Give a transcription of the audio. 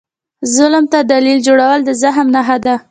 ظالم ته دلیل جوړول د زخم نښه ده.